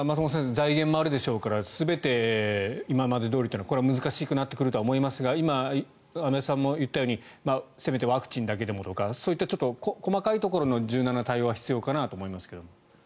財源もあるでしょうから全て今までどおりというのは難しくなってくると思いますが今、安部さんも言ったようにせめてワクチンだけでもとか細かいところの柔軟な対応は必要かと思いますが。